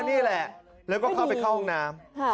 นี่แหละแล้วก็เข้าไปเข้าห้องน้ำ